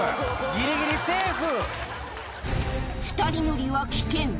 「ギリギリセーフ！」